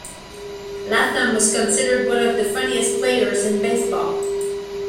Latham was considered one of the funniest players in baseball.